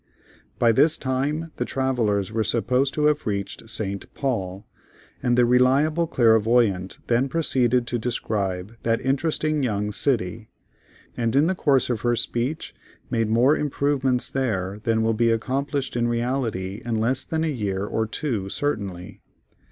By this time the travellers were supposed to have reached St. Paul, and the reliable clairvoyant then proceeded to describe that interesting young city; and in the course of her speech made more improvements there than will be accomplished in reality in less than a year or two certainly.